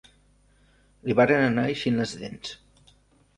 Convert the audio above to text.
Li varen anar eixint les dents